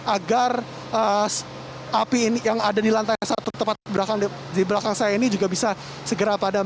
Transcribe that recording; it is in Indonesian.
agar api yang ada di lantai satu tempat di belakang saya ini juga bisa segera padam